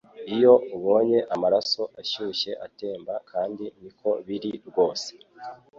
iyo ubonye amaraso ashyushye atemba kandi niko biri rwose